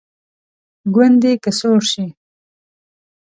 ګوندې که سوړ شي.